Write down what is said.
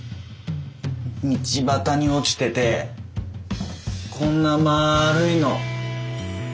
道端に落ちててこんなまるいの。